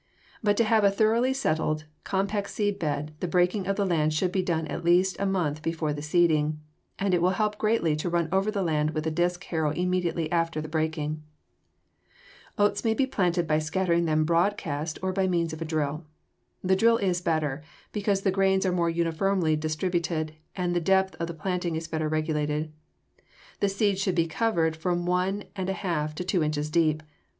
But to have a thoroughly settled, compact seed bed the breaking of the land should be done at least a month before the seeding, and it will help greatly to run over the land with a disk harrow immediately after the breaking. [Illustration: FIG. 206. OATS Common oats at left; side oats at right] Oats may be planted by scattering them broadcast or by means of a drill. The drill is better, because the grains are more uniformly distributed and the depth of planting is better regulated. The seeds should be covered from one and a half to two inches deep.